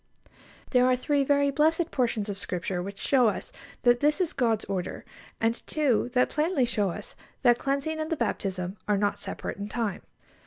There are three very blessed portions of Scripture which show us that this is God's order, and two that plainly show us that cleansing and the baptism are not separate in time.